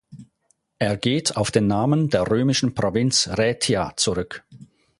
Er geht auf den Namen der römischen Provinz Raetia zurück.